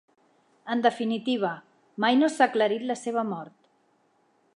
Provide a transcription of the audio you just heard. En definitiva, mai no s'ha aclarit la seva mort.